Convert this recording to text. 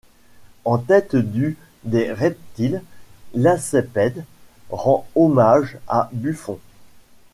En tête du des Reptiles, Lacépède rend hommage à Buffon.